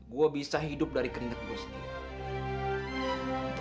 gue bisa hidup dari keringet gue sendiri